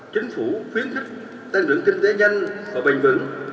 chính phủ khuyến khích tăng lượng kinh tế nhanh và bình vững